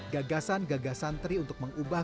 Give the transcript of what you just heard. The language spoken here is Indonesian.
gagasan gagasan tri untuk mengubah